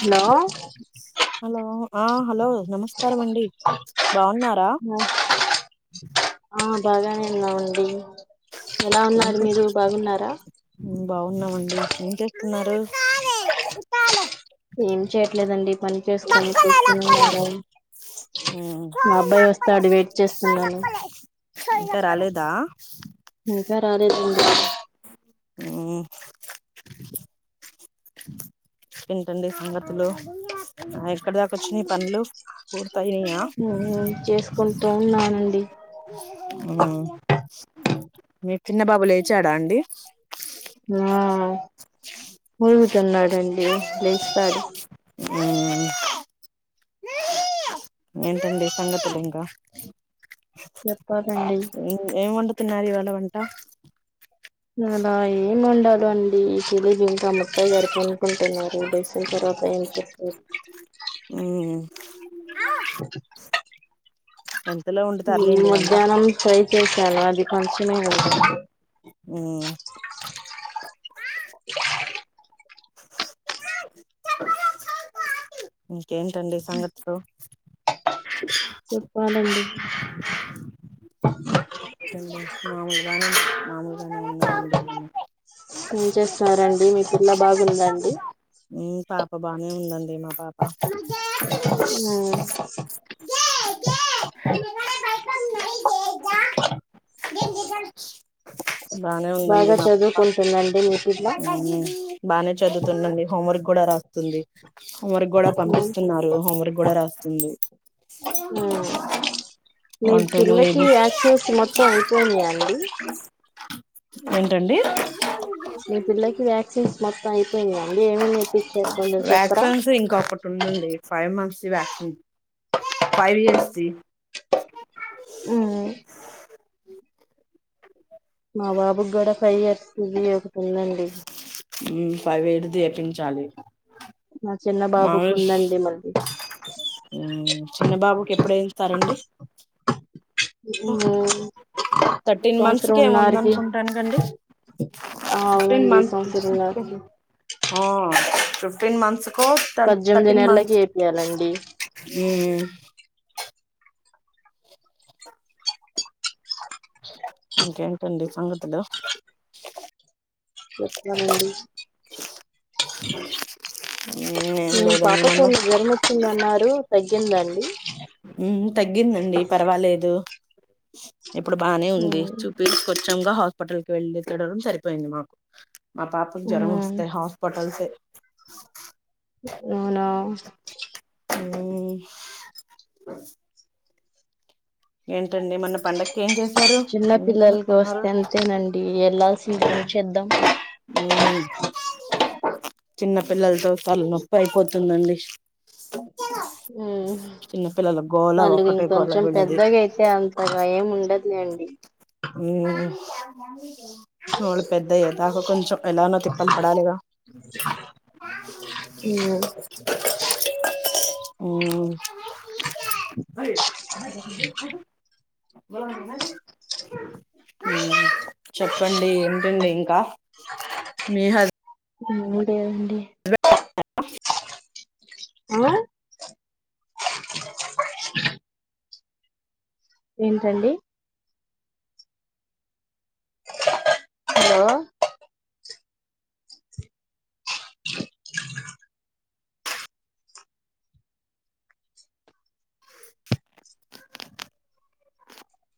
Hello hello ఆ hello నమస్కారమండి బాగున్నారా ఆ బాగానే ఉన్నామండి ఎలా ఎం ఉన్నారు చెస్ మీరు బాగున్నారా బాగున్నామండి ఏం చేస్తున్నారు ఏం చేయట్లేదండి పని చేసుకొని కూర్చోనున్నం హుమ్ వెయిట్ చేస్తున్నాను ఇంకా రాలేదా ఇంకా రాలేదండి హూ మ్ ఎంటండి సంగతులు ఆ ఎక్కడి దాకోచ్చినై పనులు పైనైయ ఉమ్, చేసుకుంటూ ఉన్నానండి మ్ మీ చిన్న బాబు లేచాడా అండి తున్నదండి లేచ్నాడు మ్ ఏంటండి సంగతులింకా చెప్పాలండి ఏం వండుతున్నారు ఇవాళ వంట ఇవాలా ఏమొండలో అండి తెలీదింకా ముత్తాయ్య గారు కొనుకుంటున్నారు లేసిన తర్వాత ఏం చెప్తార్ మ్మ్ ఎంతలో మ్ వండుతారులేండి వంట మధ్యాహ్నం ఫ్రై చేశాను అది కొంచమే ఉంది హుమ్ ఇంకేంటండి సంగతులు చెప్పాలండి మామూల్గానే మామూలు ఏం చేస్తున్నరండి మీ పిల్ల బాగుందండి మ్ పాప బానే ఉందండి మా పాప ఉమ్ నంటి బానే ఉందండి బాగా మా పాప చదువుకుంటుందండి మీ పిల్ల బానే చదువుతుందండి. హోంవర్క్ కూడా రాస్తుంది. హోం వర్క్ గూడా పంపిస్తున్నారు. హోంవర్క్ గూడా రాస్తుంది. మీ వన్ టూ లో పిల్లకి ఏబి యాక్సిన్స్ మొత్తం అయిపోయినాయ అండి. ఏంటండి మీ పిల్లకి వ్యాక్సిన్స్ మొత్తం ఐ అండి ఏమేమీపిచ్చకుందో చెప్పరా వ్యాక్సిన్స్ ఇంకొకటి ఉందండి five months vaccine five years ది మా బాబుకి గూడా ఫైవ్ ఇయర్స్ ఇవి ఒకటుందండి. ఉమ్ ఫైవ్ ఇయర్స్ ది ఏపించాలి మా చిన్న బాబుకు మాములు ఉందండి మళ్ళీ ఉమ్ చిన్న బాబుకి ఎప్పుడు ఏయిస్తారండి. ఉ థర్టీన్ మంత్స్ కేమో ఉందనుకుంటాను అండి ఫిఫ్టీన్ అవునండి మంత్స్ సంవత్సరంన్నరకి ఆ ఫిఫ్టీన్ మంత్స్ కో థట్ పద్దెనిమిది థర్టీన్ నెలలకి మంత్స్ వేపియాలండి ఊ ఇంకేంటండి సంగతులు చెప్పాలండి ఏం మీ లేదండి మొన్న పాపకేమో జ్వరం వచ్చిందన్నారు తగ్గింద అండి ఉమ్ తగ్గిందండి పర్వాలేదు. ఇప్పుడు బానే ఉంది. ఉమ్ చూపిచ్చుకొచ్చంగ హాస్పిటల్ కి వెళ్ళి ఇప్పుడు సరిపోయింది మాకు. మా పాపకు ఉమ్ జ్వరం వస్తే హాస్పిటల్స్ ఏ అవునా ఊమ్ ఏంటండి మొన్న పండగకి ఏం చేశారు. చిన్న ఏం వండుకున్నారు. చెద్ ఉ చిన్నపిల్లలతో తలనొప్పి అయిపోతుందండి. ఉమ్ చిన్న పిల్లల గోళ వాళ్ళు ఒకటే గోళ ఇంకొంచెం వీళ్ళది పెద్దగ అయితే అంతగా ఏం ఉండదు. యండి ఉమ్ వాళ్ళు పెద్దయ్యదా కొంచెం ఎలానో తిప్పలు పడాలిగా హు ఉమ్ ఉమ్ చెప్పండి ఏంటండి ఇంకా మీ హజ్ అండి ఆ ఏంటండి hello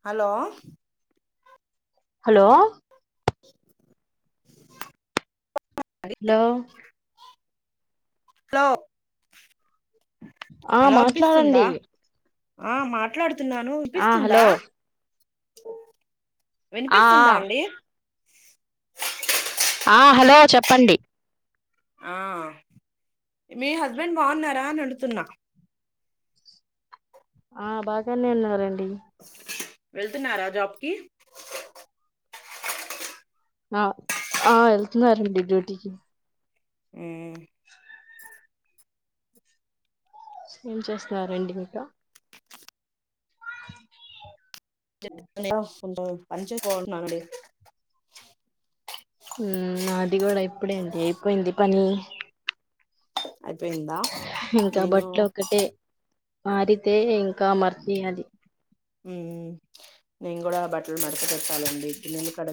hello hello hello hello ఆ హలో వినిపిస్తుందా మాట్లాడండి ఆ మాట్లాడుతున్నాను ఆ విపిస్తుందా హలో ఆ వినిపిస్తుందా ఆ అండి ఆ హలో చెప్పండి ఆ మీ హస్బెండ్ బాగున్నారా అని అడుతున్నా ఆ బాగానే ఉన్నారండి వెళ్తున్నారా జాబ్కి ఆ ఆ వెళ్తున్నారండి డ్యూటీకి ఉమ్ ఏం చేస్తున్నారండి ఇంకా [unintelligible] బాగున్నా అండి నాది గూడా ఇప్పుడే అండి అయిపోయింది పని. అయిపోయిందా ఇంక ఆ నేను బట్టలు ఒకటే ఆరితే ఇంకా మర్తీ ఏయ్యాలి ఉమ్ నేను కూడా బట్టలు మడతపెట్టాలండి.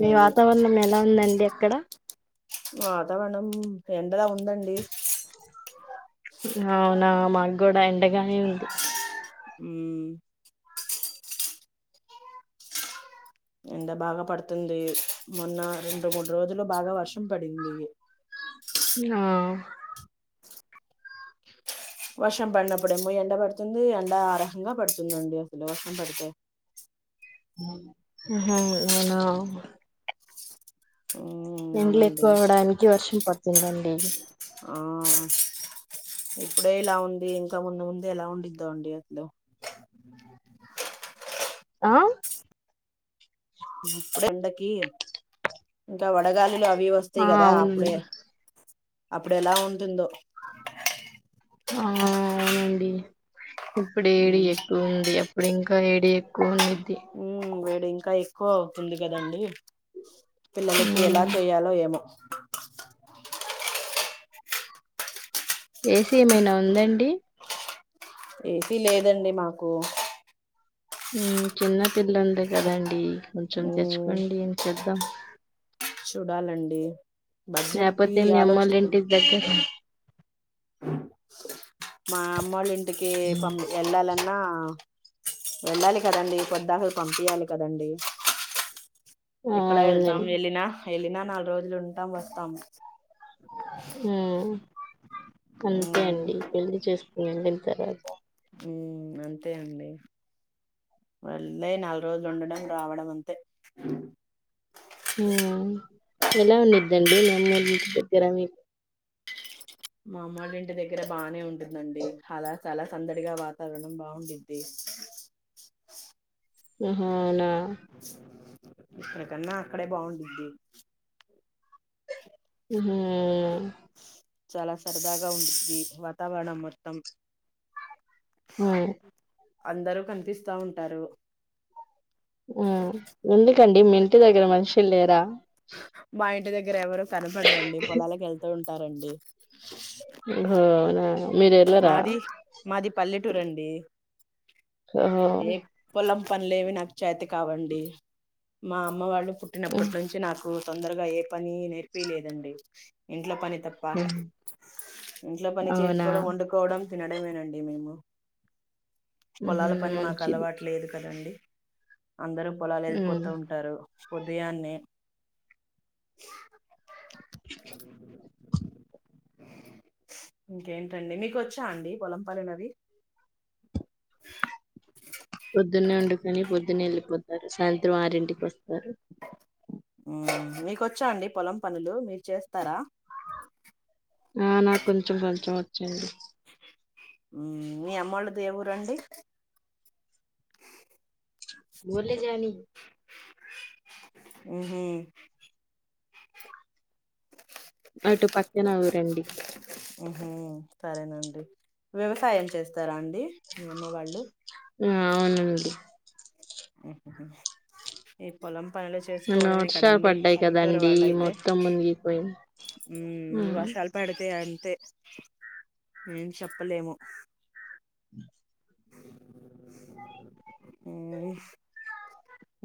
మీ వాతావరణం ఎలా ఉందండి అక్కడ వాతావరణం ఎండలా ఉందండి. అవునా మాగూడ ఎండగానే ఉంది. ఊమ్ ఎండ బాగా పడుతుంది. మొన్న రెండు మూడు రోజులు బాగా వర్షం పడింది. ఆ వర్షం పడినప్పుడేమో ఎండ పడుతుంది. ఎండ ఆరహంగా పడుతుందండి. అసలు వర్షం పడితే హు హు అవునా ఉమ్ ఎండ్లు అవునండి ఎక్కువ అవ్వడానికి వర్షం పడుతుందండి. ఆ ఇప్పుడే ఇలా ఉంది ఇంకా ముందు ముందు ఎలా ఉండిద్దో అండి అసలు ఆ ఇప్పుడు ఎండకి ఇంకా వడగాలిలో అవి వస్తాయి ఆ కదా అవునండి అప్పుడే అప్పుడ ఎలా ఉంటుందో ఆ అవునండి ఇప్పుడేడి ఉమ్ ఎక్కువ ఉంది. ఇప్పుడు ఇంకా ఏడి ఎక్కువ ఉంది. ఉ వేడి ఇంకా ఎక్కువ అవుతుంది కదండి. పిల్లలకి ఎలా మ్మ్. చేయాలో ఏమో ఏసీ ఏమైనా ఉందండి. ఏసీ లేదండి మాకు చిన్న పిల్ల ఉంది కదండి కొంచెం ఉమ్ తెచ్చుకోండిం చేద్దాం. చూడాలండి బడ్జెట్ కి లేకపోతే మీ ఆలోచిస్తుం అమ్మోళ్ళింటికి దగ్గర మా అమ్మోళ్ళ ఇంటికి పం వెళ్ళాలని ఆ వెళ్ళాలి కదండి పొద్దాకులు పంపియాలి కదండి. ఆ! ఎక్కడ వెళ్తాం అవునండి. వెళ్ళినా వెళ్ళినా నాలుగు రోజులు ఉంటాం వస్తాము. ఉ అంతే మ్మ్ అండి పెళ్లి చేసుకున్నాం దీని తర్వాత ఉ అంతే అండి వెళ్ళి నాలుగు రోజులు ఉండడం రావడం అంతే ఎలా ఉండిద్దండి మీ అమ్మోల్ల ఇంటి దగ్గర మీకు మా అమ్మొళ్ల ఇంటి దగ్గర బానే ఉంటుంది అండి. హల చాలా సందడిగా వాతావరణం బాగుండిద్ది. ఉహు అవునా ఇక్కడ కన్నా అక్కడే బాగుండిద్ది. ఉ హు అవ్నా చాలా సరదాగా ఉంటుద్ది వాతావరణం మొత్తం ఉ అందరూ కనిపిస్తా ఉంటారు ఉ ఎందుకు అండి మీ ఇంటి దగ్గర మనుషులు లేరా మా ఇంటి దగ్గర ఎవరు కనపడరండి పొలాలకు వెళ్తూ ఉంటారండి ఒహో అవునా మీరెళ్ళరా? మాది మాది పల్లెటూరు అండి ఓహో! ఏ పొలం పనులేవి నాకు చేత కావండి మా అమ్మ వాళ్ళు హ్మ్. పుట్టినప్పటి నుంచి నాకు తొందరగా ఏ పని నేర్పియ్య లేదండి ఇంట్లో పని తప్ప హ్మ్. ఇంట్లో పని అవునా? చేసుకోవడం వొండు కోడం తినడమేనండి మేము హుహు. పొలాల పని మాకు మంచిది. అలవాటు లేదు కదా అండి అందరూ పొలాలు హ్మ్. వెళ్ళిపోతూ ఉంటారు ఉదయాన్నే ఇంకేంటి అండి మీకు వొచ్చా అండి పొలం పనులు అవి పొద్దున్నే వొండుకొని పొద్దున్న వెళ్ళిపోతారు సాయంత్రం ఆరింటికి వొస్తారు మ్ మీకొచ్చా అండి పొలం పనులు మీరు చేస్తారా ఆ నాకు కొంచెం కొంచెం వొచ్చు అండి మ్ మీ అమ్మోళ్ళది ఎ ఊరు అండి గుర్ల జానీ ఉహు అటు పక్కన ఊరండి ఉహు సరేనండి వ్యవసాయం చేస్తారా అండి మి అమ్మ వాళ్ళు ఉ అవునండి ఆహ ఏ పొలం పనులు నిన్న చేసుకోవడమే వర్షాలు కదండి పడ్డాయి పల్లెటూరు కదండి మొత్తం మునుగిపోయినయ్ మ్ వర్షాలు పడితే అం తే ఎం చెప్పలేము ఉ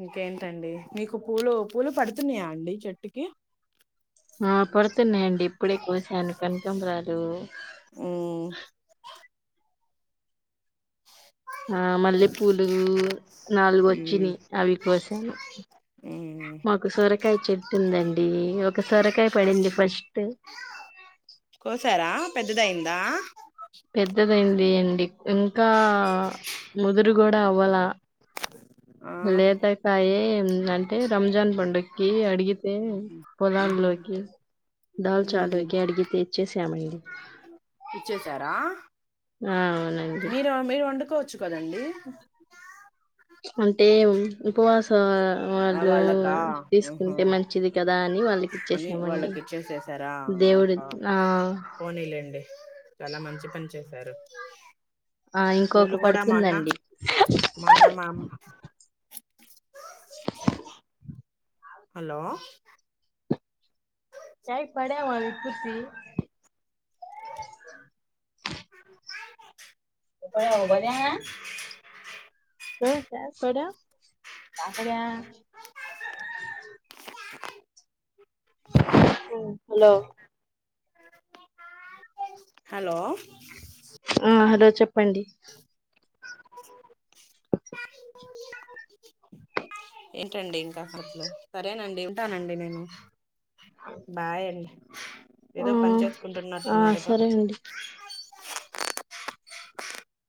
ఇంకేంటి అండి మీకు పూలు పూలు పడుతున్నాయా అండి చెట్టుకి ఆ పడుతున్నాయి అండి ఇప్పుడే కోశాను కనకంబరాలు ఉ ఆ మల్లెపూలు నాలుగు ఉమ్ వొచ్చినయి అవి కోసాను ఉమ్ మాకు సొరకాయ చెట్టు ఉందం మ్ ఒక సొరకాయ పడింది ఫస్ట్ కోసారా పెద్దదయిందా పెద్దది అయింది అండి ఇంకా ముదురు గుడా అవ్వాల ఆ లేతకాయే అంటే రంజాన్ పండక్కి అడిగి సే పొలాం ఉహు లోకి ఉమ్ డల్చలోయ్ కి అడిగితె ఇచ్చేసామండి ఇచ్చేసారా ఆ అవునండి మీరు మీరు వొండుకో చ్చు కదండి. అంటే ఉ ఉపవాసా ఆ వాళ్ళు వాళ్ళకా ఆహా తీసుకుంటే మంచిది కదా అని వాళ్ళకిచ్చేసామండి. పోనీలెండి చాలా మంచి పని చేసారు. ఆ పూలు ఇంకొక గుడా మొన్న పడుతుందండి మొన్న మామ్ హలో టై పడెవ్యానుంచి [inaudible] సు ఇట్ట సూడ హలో! హలో! ఆ హలో చెప్పండి. అ ఏంటండి ఇంకా సరేనండి ఉంటానండి నేను బాయండ్ ఆ ఏదో పన్ ఆ చేస్కుంటున్నట్టున్నారుగా సరే అండి